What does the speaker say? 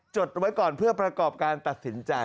ดไว้ก่อนเพื่อประกอบการตัดสินใจ